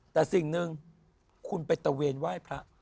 แต่สิ่งหนึ่งคุณไปตะเวนไหว้พระ